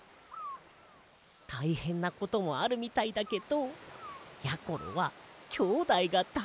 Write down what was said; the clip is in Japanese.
たいへんなこともあるみたいだけどやころはきょうだいがだいすきなんだな。